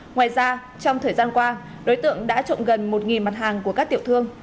ngoài ra trong thời gian qua đối tượng đã trộn gần một mặt hàng của các tiểu thương